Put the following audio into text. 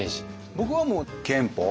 僕はもう憲法。